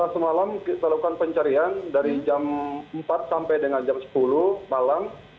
semalam kita lakukan pencarian dari jam empat sampai dengan jam sepuluh malam